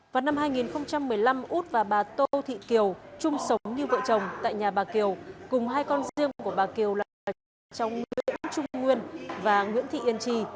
vào năm hai nghìn một mươi năm út và bà tô thị kiều chung sống như vợ chồng tại nhà bà kiều cùng hai con riêng của bà kiều là bà con trong nguyễn trung nguyên và nguyễn thị yên trì